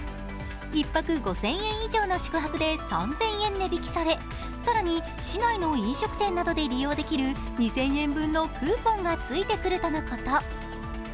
１泊５０００円以上の宿泊で３０００円値引きされ更に市内の飲食店などで利用できる２０００円分のクーポンがついてくるとのこと。